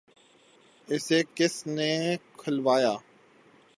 ‘ اسے کس نے کھلوایا؟